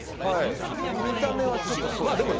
見た目はちょっとそうですね。